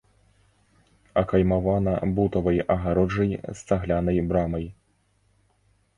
Акаймавана бутавай агароджай з цаглянай брамай.